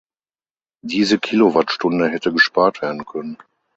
Diese Kilowattstunde hätte gespart werden können!